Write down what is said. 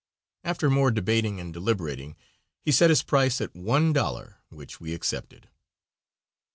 After more debating and deliberating he set his price at one dollar, which we accepted.